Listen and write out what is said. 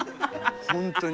本当に。